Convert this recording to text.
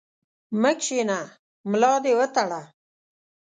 مه کښېنه ، ملا دي وتړه!